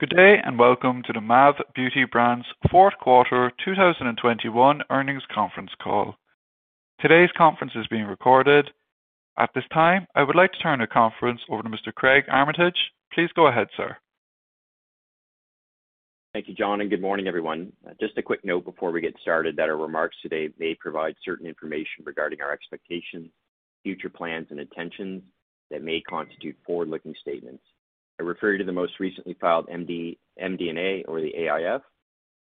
Good day, and welcome to the MAV Beauty Brands' Fourth Quarter 2021 Earnings Conference call. Today's conference is being recorded. At this time, I would like to turn the conference over to Mr. Craig Armitage. Please go ahead, sir. Thank you, John, and good morning, everyone. Just a quick note before we get started that our remarks today may provide certain information regarding our expectations, future plans and intentions that may constitute forward-looking statements. I refer you to the most recently filed MD&A or the AIF,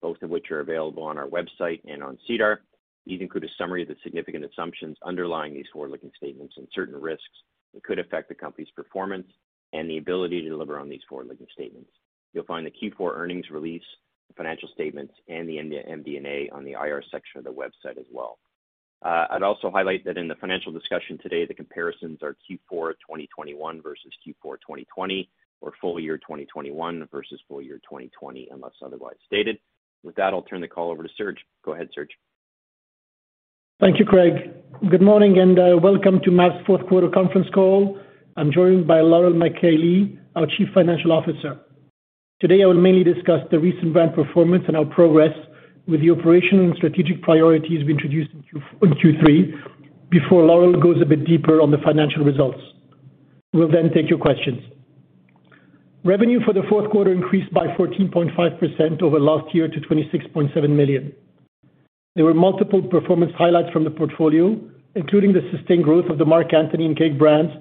both of which are available on our website and on SEDAR. These include a summary of the significant assumptions underlying these forward-looking statements and certain risks that could affect the company's performance and the ability to deliver on these forward-looking statements. You'll find the Q4 earnings release, financial statements, and the MD&A on the IR section of the website as well. I'd also highlight that in the financial discussion today, the comparisons are Q4 of 2021 versus Q4 of 2020, or full year 2021 versus full year 2020, unless otherwise stated. With that, I'll turn the call over to Serge. Go ahead, Serge. Thank you, Craig. Good morning and welcome to MAV's fourth quarter conference call. I'm joined by Laurel MacKay-Lee, our Chief Financial Officer. Today, I will mainly discuss the recent brand performance and our progress with the operational and strategic priorities we introduced in Q3 before Laurel goes a bit deeper on the financial results. We'll then take your questions. Revenue for the fourth quarter increased by 14.5% over last year to 26.7 million. There were multiple performance highlights from the portfolio, including the sustained growth of the Marc Anthony and Cake brands,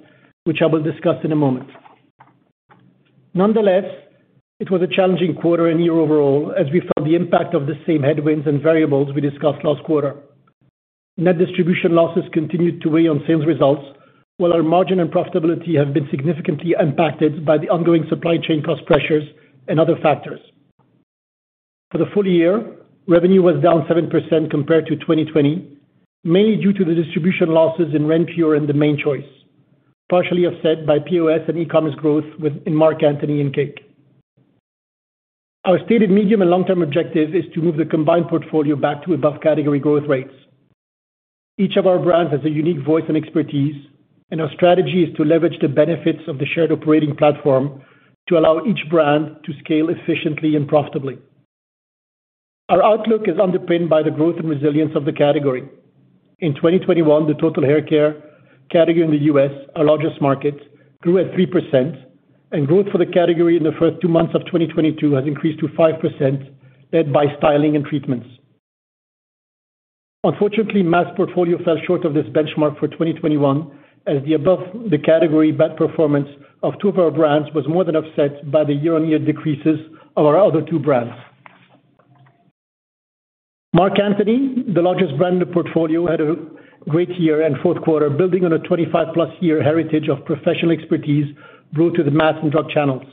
which I will discuss in a moment. Nonetheless, it was a challenging quarter and year overall as we felt the impact of the same headwinds and variables we discussed last quarter. Net distribution losses continued to weigh on sales results, while our margin and profitability have been significantly impacted by the ongoing supply chain cost pressures and other factors. For the full year, revenue was down 7% compared to 2020, mainly due to the distribution losses in Renpure and The Mane Choice, partially offset by POS and e-commerce growth within Marc Anthony and Cake. Our stated medium and long-term objective is to move the combined portfolio back to above-category growth rates. Each of our brands has a unique voice and expertise, and our strategy is to leverage the benefits of the shared operating platform to allow each brand to scale efficiently and profitably. Our outlook is underpinned by the growth and resilience of the category. In 2021, the total haircare category in the U.S., our largest market, grew at 3%, and growth for the category in the first two months of 2022 has increased to 5%, led by styling and treatments. Unfortunately, MAV's portfolio fell short of this benchmark for 2021, as the above-the-category performance of two of our brands was more than offset by the year-on-year decreases of our other two brands. Marc Anthony, the largest brand in the portfolio, had a great year and fourth quarter, building on a 25+ year heritage of professional expertise brought to the mass and drug channels.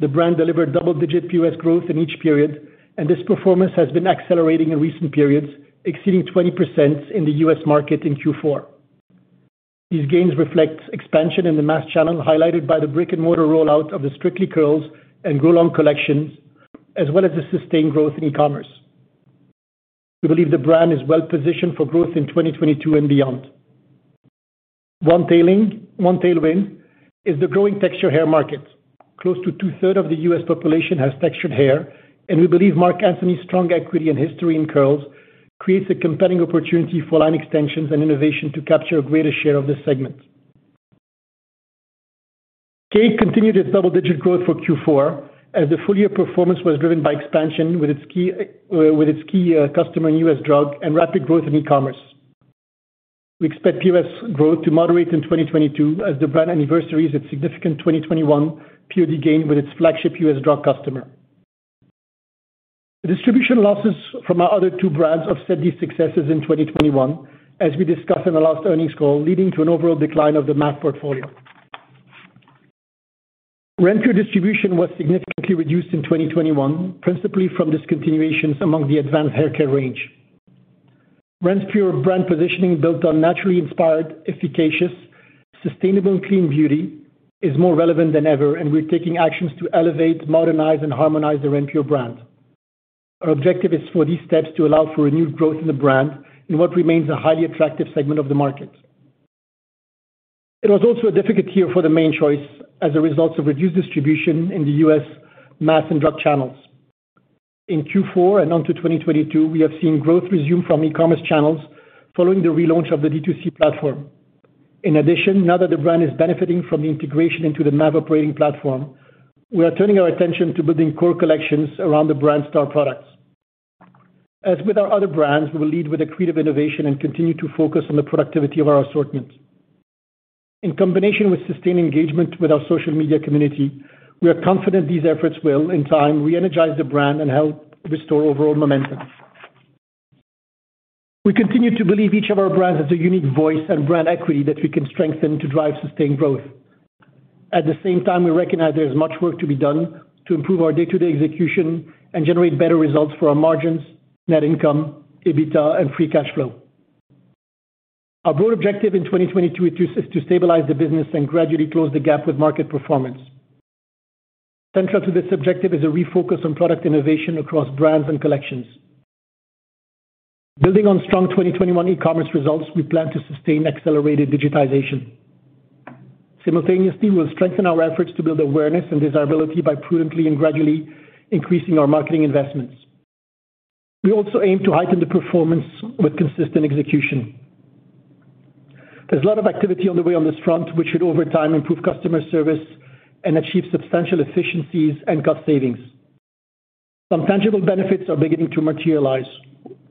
The brand delivered double-digit U.S. growth in each period, and this performance has been accelerating in recent periods, exceeding 20% in the U.S. market in Q4. These gains reflect expansion in the mass channel, highlighted by the brick-and-mortar rollout of the Strictly Curls and Grow Long collections, as well as the sustained growth in e-commerce. We believe the brand is well-positioned for growth in 2022 and beyond. One tailwind is the growing textured hair market. Close to two-thirds of the U.S. population has textured hair, and we believe Marc Anthony's strong equity and history in curls creates a compelling opportunity for line extensions and innovation to capture a greater share of this segment. Cake continued its double-digit growth for Q4, as the full-year performance was driven by expansion with its key customer in U.S. drug and rapid growth in e-commerce. We expect U.S. growth to moderate in 2022 as the brand anniversaries its significant 2021 POG gain with its flagship U.S. drug customer. The distribution losses from our other two brands upset these successes in 2021, as we discussed in the last earnings call, leading to an overall decline of the MAV portfolio. Renpure distribution was significantly reduced in 2021, principally from discontinuations among the advanced haircare range. Renpure brand positioning built on naturally inspired, efficacious, sustainable, and clean beauty is more relevant than ever, and we're taking actions to elevate, modernize, and harmonize the Renpure brand. Our objective is for these steps to allow for renewed growth in the brand in what remains a highly attractive segment of the market. It was also a difficult year for The Mane Choice as a result of reduced distribution in the U.S. mass and drug channels. In Q4 and on to 2022, we have seen growth resume from e-commerce channels following the relaunch of the D2C platform. In addition, now that the brand is benefiting from the integration into the MAV operating platform, we are turning our attention to building core collections around the brand star products. As with our other brands, we will lead with accretive innovation and continue to focus on the productivity of our assortment. In combination with sustained engagement with our social media community, we are confident these efforts will, in time, re-energize the brand and help restore overall momentum. We continue to believe each of our brands has a unique voice and brand equity that we can strengthen to drive sustained growth. At the same time, we recognize there is much work to be done to improve our day-to-day execution and generate better results for our margins, net income, EBITDA, and free cash flow. Our broad objective in 2022 is to stabilize the business and gradually close the gap with market performance. Central to this objective is a refocus on product innovation across brands and collections. Building on strong 2021 e-commerce results, we plan to sustain accelerated digitization. Simultaneously, we'll strengthen our efforts to build awareness and desirability by prudently and gradually increasing our marketing investments. We also aim to heighten the performance with consistent execution. There's a lot of activity on the way on this front, which should over time improve customer service and achieve substantial efficiencies and cost savings. Some tangible benefits are beginning to materialize.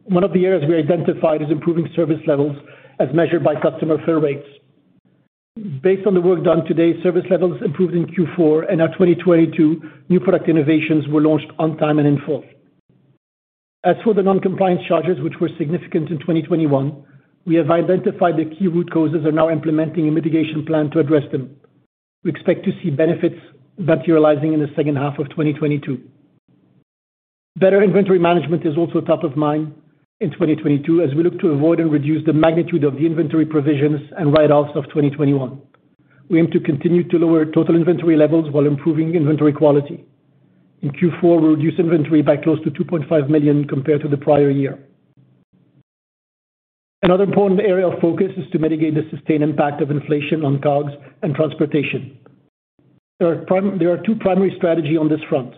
One of the areas we identified is improving service levels as measured by customer fill rates. Based on the work done to date, service levels improved in Q4, and our 2022 new product innovations were launched on time and in full. As for the non-compliance charges, which were significant in 2021, we have identified the key root causes and are now implementing a mitigation plan to address them. We expect to see benefits materializing in the second half of 2022. Better inventory management is also top of mind in 2022, as we look to avoid and reduce the magnitude of the inventory provisions and write-offs of 2021. We aim to continue to lower total inventory levels while improving inventory quality. In Q4, we reduced inventory by close to 2.5 million compared to the prior year. Another important area of focus is to mitigate the sustained impact of inflation on COGS and transportation. There are two primary strategy on this front.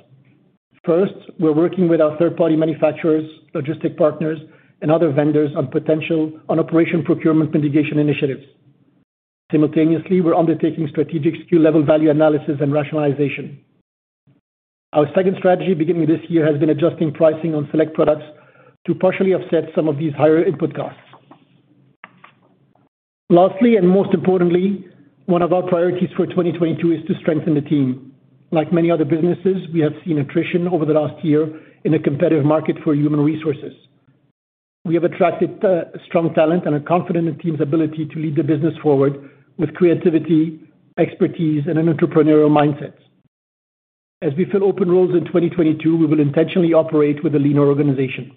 First, we're working with our third-party manufacturers, logistics partners, and other vendors on potential operational procurement mitigation initiatives. Simultaneously, we're undertaking strategic SKU level value analysis and rationalization. Our second strategy beginning this year has been adjusting pricing on select products to partially offset some of these higher input costs. Lastly, and most importantly, one of our priorities for 2022 is to strengthen the team. Like many other businesses, we have seen attrition over the last year in a competitive market for human resources. We have attracted strong talent and are confident in the team's ability to lead the business forward with creativity, expertise, and an entrepreneurial mindset. As we fill open roles in 2022, we will intentionally operate with a leaner organization.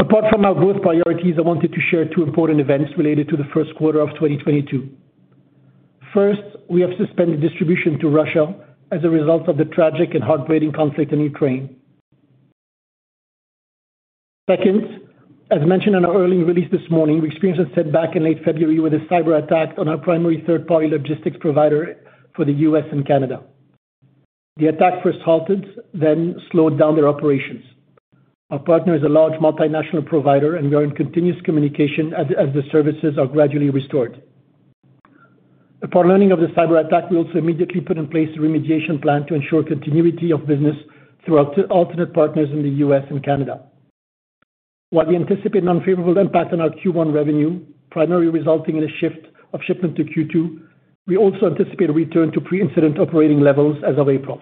Apart from our growth priorities, I wanted to share two important events related to the first quarter of 2022. First, we have suspended distribution to Russia as a result of the tragic and heartbreaking conflict in Ukraine. Second, as mentioned in our earnings release this morning, we experienced a setback in late February with a cyber attack on our primary third-party logistics provider for the U.S. and Canada. The attack first halted, then slowed down their operations. Our partner is a large multinational provider, and we are in continuous communication as the services are gradually restored. Upon learning of the cyber attack, we also immediately put in place a remediation plan to ensure continuity of business through our alternate partners in the U.S. and Canada. While we anticipate an unfavorable impact on our Q1 revenue, primarily resulting in a shift of shipment to Q2, we also anticipate a return to pre-incident operating levels as of April.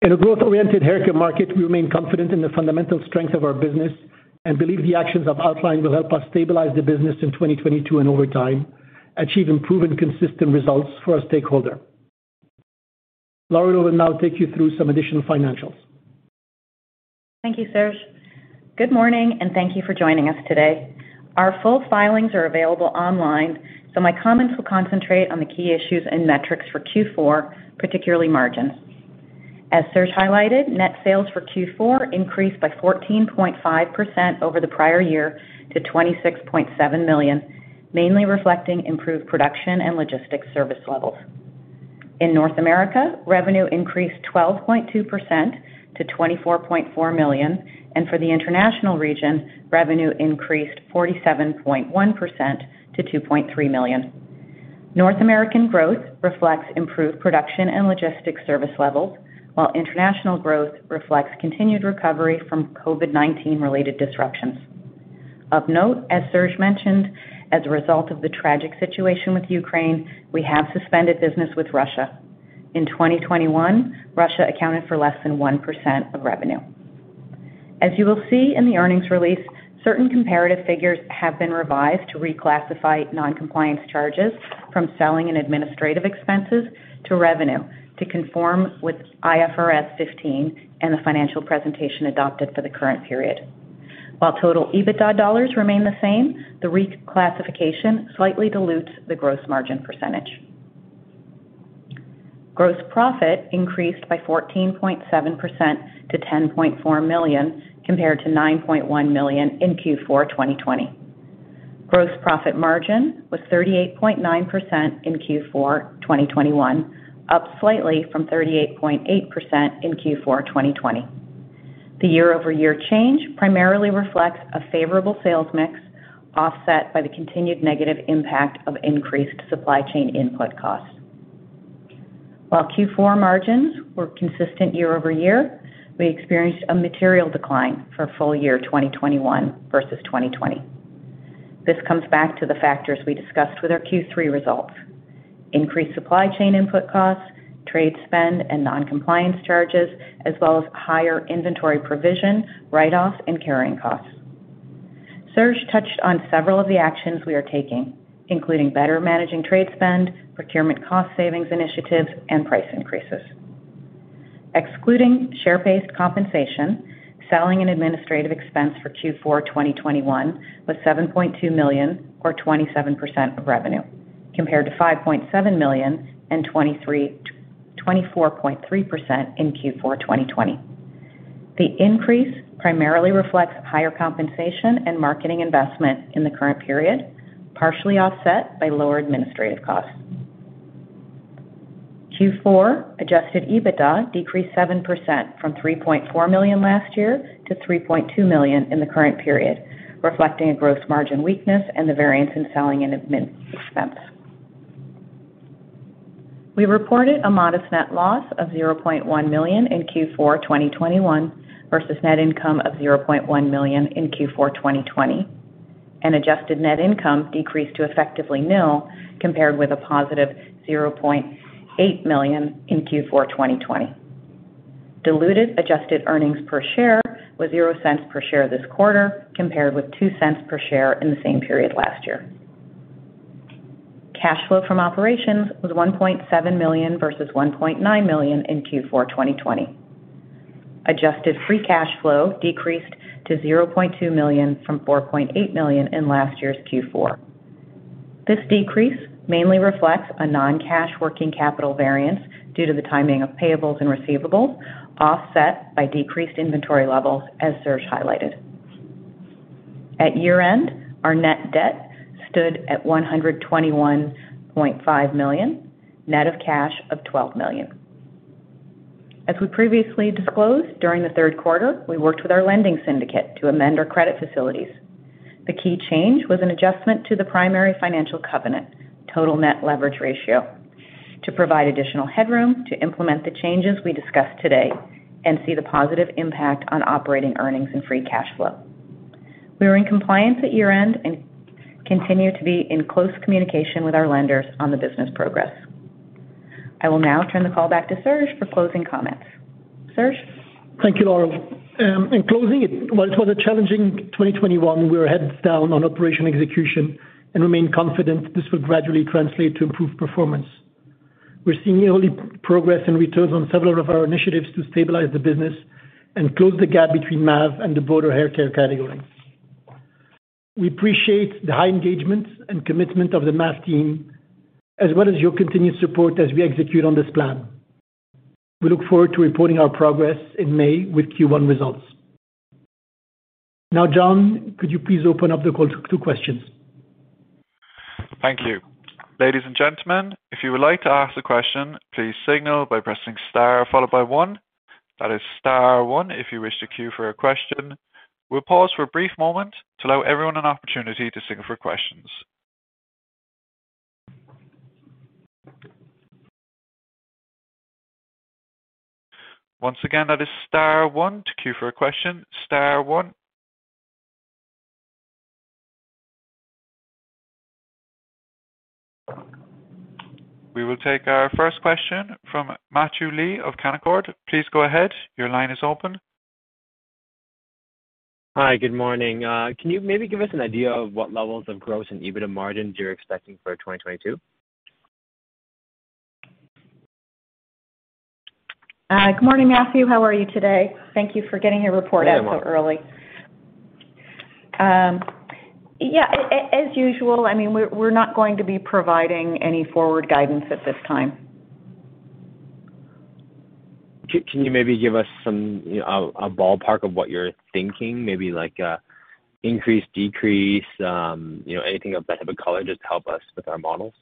In a growth-oriented haircare market, we remain confident in the fundamental strength of our business and believe the actions I've outlined will help us stabilize the business in 2022 and over time, achieve improved and consistent results for our stakeholder. Laura will now take you through some additional financials. Thank you, Serge. Good morning, and thank you for joining us today. Our full filings are available online, so my comments will concentrate on the key issues and metrics for Q4, particularly margins. As Serge highlighted, net sales for Q4 increased by 14.5% over the prior year to 26.7 million, mainly reflecting improved production and logistics service levels. In North America, revenue increased 12.2% to 24.4 million, and for the international region, revenue increased 47.1% to 2.3 million. North American growth reflects improved production and logistics service levels, while international growth reflects continued recovery from COVID-19 related disruptions. Of note, as Serge mentioned, as a result of the tragic situation with Ukraine, we have suspended business with Russia. In 2021, Russia accounted for less than 1% of revenue. As you will see in the earnings release, certain comparative figures have been revised to reclassify non-compliance charges from selling and administrative expenses to revenue to conform with IFRS 15 and the financial presentation adopted for the current period. While total EBITDA dollars remain the same, the reclassification slightly dilutes the gross margin percentage. Gross profit increased by 14.7% to 10.4 million, compared to 9.1 million in Q4 2020. Gross profit margin was 38.9% in Q4 2021, up slightly from 38.8% in Q4 2020. The year-over-year change primarily reflects a favorable sales mix, offset by the continued negative impact of increased supply chain input costs. While Q4 margins were consistent year-over-year, we experienced a material decline for full year 2021 versus 2020. This comes back to the factors we discussed with our Q3 results. Increased supply chain input costs, trade spend, and non-compliance charges, as well as higher inventory provision, write-offs, and carrying costs. Serge touched on several of the actions we are taking, including better managing trade spend, procurement cost savings initiatives, and price increases. Excluding share-based compensation, selling and administrative expense for Q4 2021 was 7.2 million or 27% of revenue, compared to 5.7 million and 24.3% in Q4 2020. The increase primarily reflects higher compensation and marketing investment in the current period, partially offset by lower administrative costs. Q4 adjusted EBITDA decreased 7% from 3.4 million last year to 3.2 million in the current period, reflecting a gross margin weakness and the variance in selling and admin expense. We reported a modest net loss of 0.1 million in Q4 2021 versus net income of 0.1 million in Q4 2020, and adjusted net income decreased to effectively nil compared with a positive 0.8 million in Q4 2020. Diluted adjusted earnings per share was 0.00 per share this quarter, compared with 0.02 per share in the same period last year. Cash flow from operations was 1.7 million versus 1.9 million in Q4 2020. Adjusted free cash flow decreased to 0.2 million from 4.8 million in last year's Q4. This decrease mainly reflects a non-cash working capital variance due to the timing of payables and receivables, offset by decreased inventory levels, as Serge highlighted. At year-end, our net debt stood at 121.5 million, net of cash of 12 million. As we previously disclosed, during the third quarter, we worked with our lending syndicate to amend our credit facilities. The key change was an adjustment to the primary financial covenant, total net leverage ratio, to provide additional headroom to implement the changes we discussed today and see the positive impact on operating earnings and free cash flow. We were in compliance at year-end and continue to be in close communication with our lenders on the business progress. I will now turn the call back to Serge for closing comments. Serge? Thank you, Laurel. In closing, while it was a challenging 2021, we are heads down on operational execution and remain confident this will gradually translate to improved performance. We're seeing early progress and returns on several of our initiatives to stabilize the business and close the gap between MAV and the broader haircare category. We appreciate the high engagement and commitment of the MAV team, as well as your continued support as we execute on this plan. We look forward to reporting our progress in May with Q1 results. Now, John, could you please open up the call to questions? Thank you. Ladies and gentlemen, if you would like to ask a question, please signal by pressing star followed by one. That is star one if you wish to queue for a question. We'll pause for a brief moment to allow everyone an opportunity to signal for questions. Once again, that is star one to queue for a question, star one. We will take our first question from Matthew Lee of Canaccord Genuity. Please go ahead. Your line is open. Hi, good morning. Can you maybe give us an idea of what levels of gross and EBITDA margins you're expecting for 2022? Good morning, Matthew. How are you today? Thank you for getting your report out so early. Hey, Laurel. Yeah, as usual, I mean, we're not going to be providing any forward guidance at this time. Can you maybe give us some, you know, a ballpark of what you're thinking? Maybe like, increase, decrease, you know, anything of that type of color, just to help us with our models.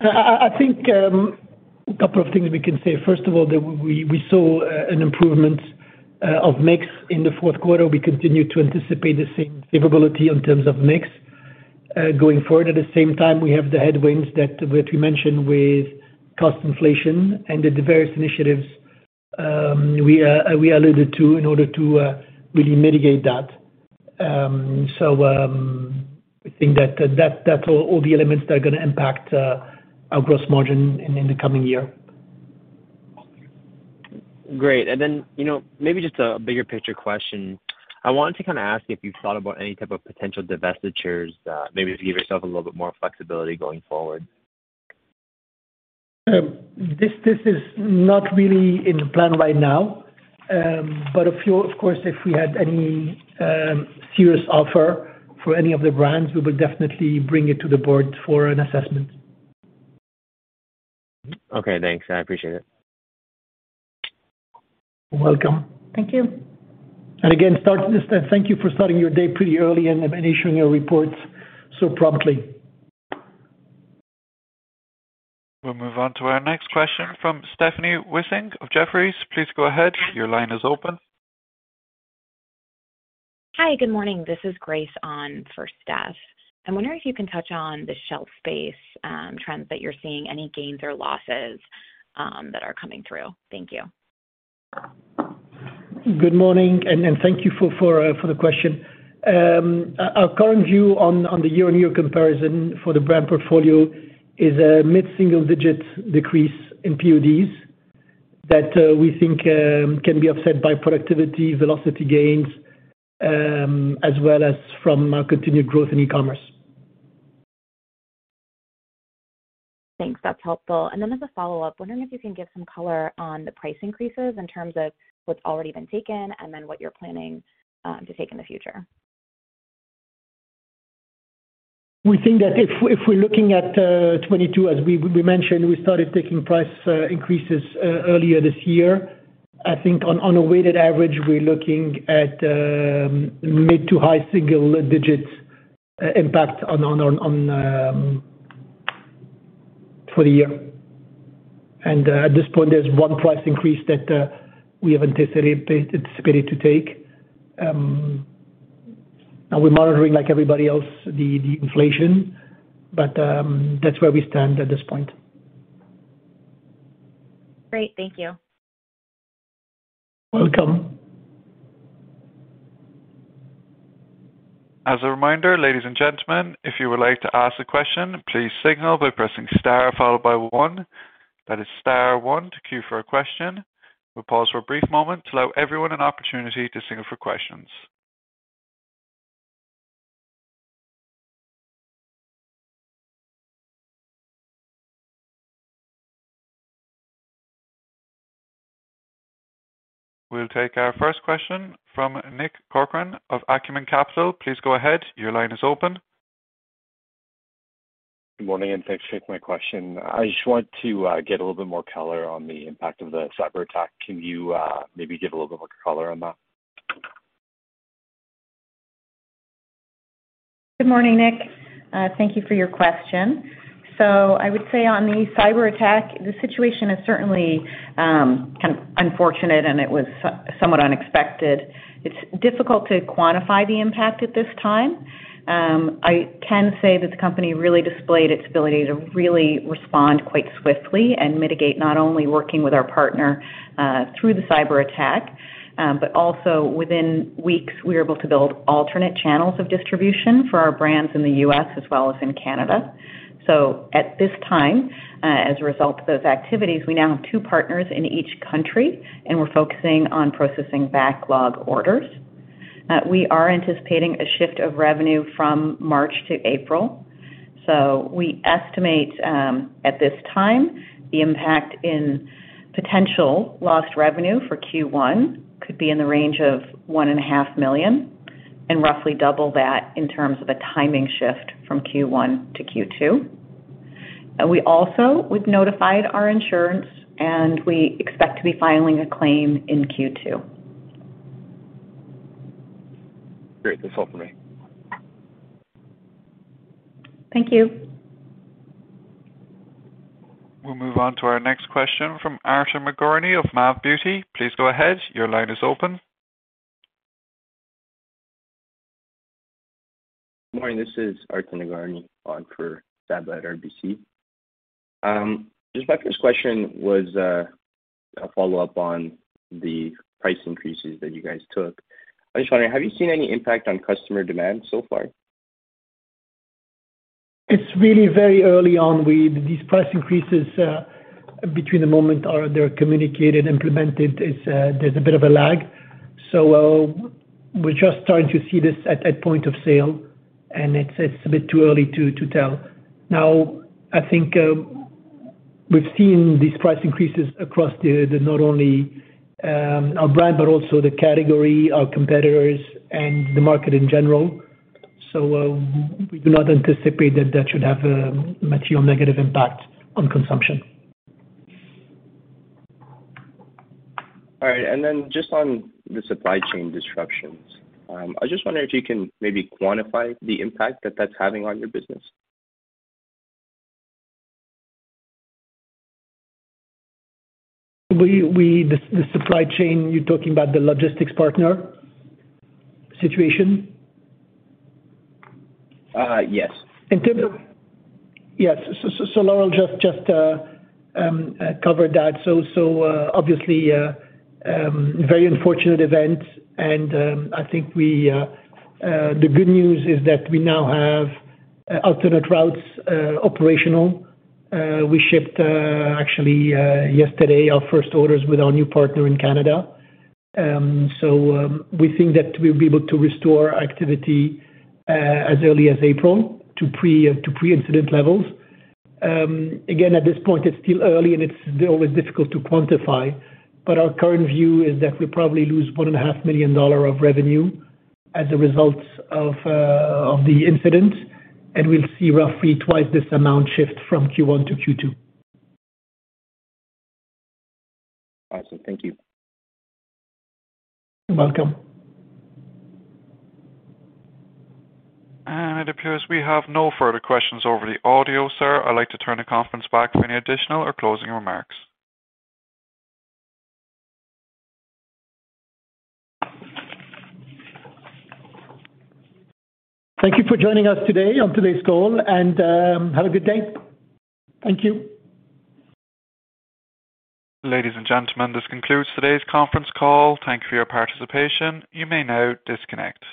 I think a couple of things we can say. First of all, that we saw an improvement of mix in the fourth quarter. We continue to anticipate the same favorability in terms of mix going forward. At the same time, we have the headwinds which we mentioned with cost inflation and the various initiatives we alluded to in order to really mitigate that. I think that's all the elements that are gonna impact our gross margin in the coming year. Great. You know, maybe just a bigger picture question. I wanted to kinda ask if you've thought about any type of potential divestitures, maybe to give yourself a little bit more flexibility going forward. This is not really in the plan right now. If we had any serious offer for any of the brands, we would definitely bring it to the board for an assessment. Okay, thanks. I appreciate it. You're welcome. Thank you. Just thank you for starting your day pretty early and issuing your reports so promptly. We'll move on to our next question from Stephanie Wissink of Jefferies. Please go ahead. Your line is open. Hi, good morning. This is Grace on for Steph. I'm wondering if you can touch on the shelf space trends that you're seeing, any gains or losses that are coming through. Thank you. Good morning, and thank you for the question. Our current view on the year-on-year comparison for the brand portfolio is a mid-single digit decrease in PODs that we think can be offset by productivity, velocity gains, as well as from our continued growth in e-commerce. Thanks. That's helpful. As a follow-up, wondering if you can give some color on the price increases in terms of what's already been taken and then what you're planning to take in the future? We think that if we're looking at 2022, as we mentioned, we started taking price increases earlier this year. I think on a weighted average, we're looking at mid- to high-single-digits impact for the year. At this point, there's one price increase that we have anticipated to take. We're monitoring, like everybody else, the inflation. That's where we stand at this point. Great. Thank you. Welcome. As a reminder, ladies and gentlemen, if you would like to ask a question, please signal by pressing star followed by one. That is star one to queue for a question. We'll pause for a brief moment to allow everyone an opportunity to signal for questions. We'll take our first question from Nick Corcoran of Acumen Capital. Please go ahead. Your line is open. Good morning, and thanks for taking my question. I just want to get a little bit more color on the impact of the cyberattack. Can you maybe give a little bit more color on that? Good morning, Nick. Thank you for your question. I would say on the cyberattack, the situation is certainly kind of unfortunate, and it was somewhat unexpected. It's difficult to quantify the impact at this time. I can say that the company really displayed its ability to really respond quite swiftly and mitigate not only working with our partner through the cyberattack, but also within weeks, we were able to build alternate channels of distribution for our brands in the U.S. as well as in Canada. At this time, as a result of those activities, we now have two partners in each country, and we're focusing on processing backlog orders. We are anticipating a shift of revenue from March to April. We estimate, at this time, the impact in potential lost revenue for Q1 could be in the range of 1.5 million and roughly double that in terms of a timing shift from Q1 to Q2. We also have notified our insurance, and we expect to be filing a claim in Q2. Great. That's all for me. Thank you. We'll move on to our next question from Arthur Nagorny of RBC Capital Markets. Please go ahead. Your line is open. Morning, this is Arthur Nagorny on for Bob at RBC. Just my first question was, a follow-up on the price increases that you guys took. I'm just wondering, have you seen any impact on customer demand so far? It's really very early on. These price increases, between the moment they're communicated, implemented, there's a bit of a lag. We're just starting to see this at a point of sale, and it's a bit too early to tell. Now, I think, we've seen these price increases across, not only our brand, but also the category, our competitors and the market in general. We do not anticipate that should have a material negative impact on consumption. All right. Just on the supply chain disruptions, I just wonder if you can maybe quantify the impact that that's having on your business. The supply chain, you're talking about the logistics partner situation? Yes. Yes. Laurel just covered that. Obviously, very unfortunate event. I think the good news is that we now have alternate routes operational. We shipped actually yesterday our first orders with our new partner in Canada. We think that we'll be able to restore activity as early as April to pre-incident levels. Again, at this point, it's still early and it's always difficult to quantify, but our current view is that we probably lose 1.5 million dollar of revenue as a result of the incident, and we'll see roughly twice this amount shift from Q1 to Q2. Awesome. Thank you. You're welcome. It appears we have no further questions over the audio, sir. I'd like to turn the conference back for any additional or closing remarks. Thank you for joining us today on today's call, and have a good day. Thank you. Ladies and gentlemen, this concludes today's conference call. Thank you for your participation. You may now disconnect.